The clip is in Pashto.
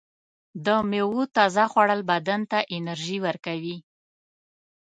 د میوو تازه خوړل بدن ته انرژي ورکوي.